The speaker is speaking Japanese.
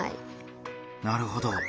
なるほど。